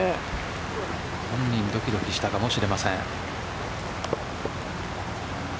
本人もどきどきしたかもしれません。